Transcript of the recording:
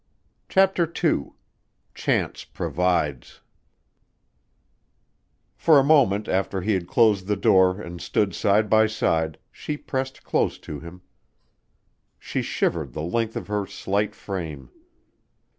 CHAPTER II Chance Provides For a moment after he had closed the door they stood side by side, she pressing close to him. She shivered the length of her slight frame.